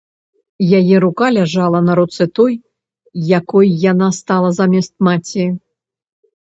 Яе рука ляжала на руцэ той, якой яна стала замест маці.